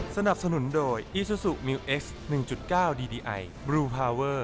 สนับสนุนโดยอีซูซูมิวเอสหนึ่งจุดเก้าดีดีไอบลูพาเวอร์